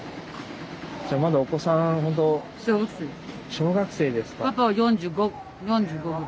小学生ですか。